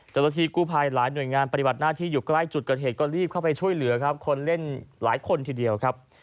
เจ้าหน้าที่กู้ภัยหลายหน่วยงานปฏิบัติหน้าที่อยู่ใกล้จุดเกิดเหตุก็รีบเข้าไปช่วยเหลือครับคนเล่นหลายคนทีเดียวครับ